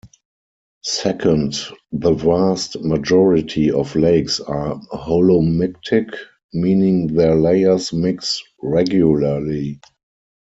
Second, the vast majority of lakes are holomictic, meaning their layers mix regularly.